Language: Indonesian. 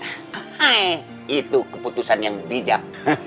hai itu keputusan yang bijak